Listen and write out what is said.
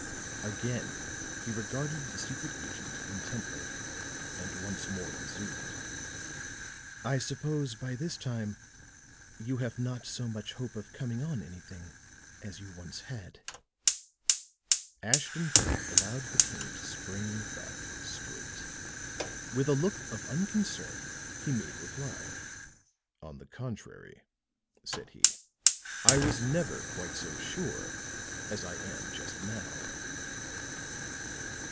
Again he regarded the secret agent intently, and once more resumed: "I suppose by this time you have not so much hope of coming on anything as you once had?" Ashton Kirk allowed the cane to spring back straight; with a look of unconcern he made reply. "On the contrary," said he, "I was never quite so sure as I am just now."